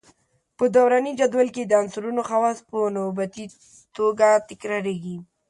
په دوراني جدول کې د عنصرونو خواص په نوبتي توګه تکراریږي.